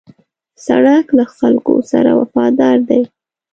سړک له خلکو سره وفادار دی.